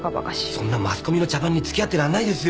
そんなマスコミの茶番に付き合ってらんないですよ。